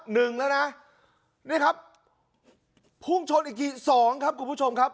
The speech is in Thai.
หนึ่งแล้วนะนี่ครับพุ่งชนอีกทีสองครับคุณผู้ชมครับ